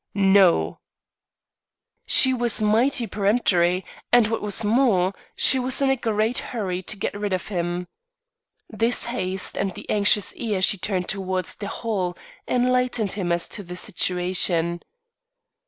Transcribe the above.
"No." She was mighty peremptory and what was more, she was in a great hurry to get rid of him. This haste and the anxious ear she turned towards the hall enlightened him as to the situation.